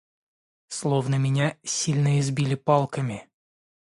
Словно меня сильно избили палками